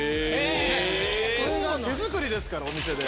手作りですからお店で。